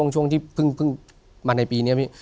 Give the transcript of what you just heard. ช่วงที่เพิ่งมาในปีนี้พี่